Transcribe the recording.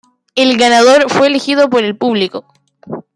El ganador fue elegido por el público.